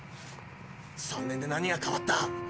３年で何が変わった？